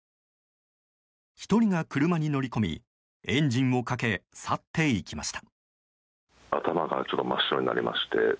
１人が車に乗り込みエンジンをかけ去っていきました。